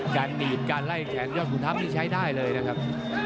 การหนีบการไล่แขนนี้ใช้ได้เลยนะครับ